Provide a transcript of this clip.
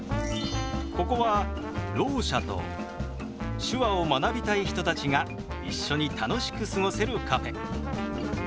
ここはろう者と手話を学びたい人たちが一緒に楽しく過ごせるカフェ。